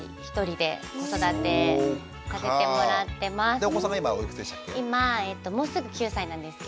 でお子さんが今おいくつでしたっけ？